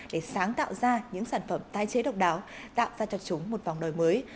để sáng tạo ra những sản phẩm tái chế độc đáo tạo ra cho chúng một vòng đời mới